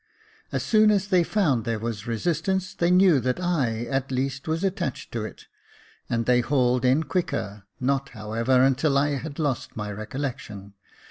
As soon as they found there was resistance, they knew that I, at least, was attached to it, and they hauled in quicker, not, however, until I had lost my recollection.